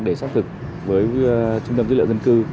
để xác thực với trung tâm dữ liệu dân cư